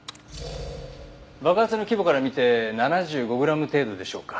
爆発の規模から見て７５グラム程度でしょうか。